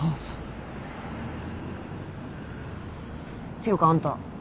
ていうかあんた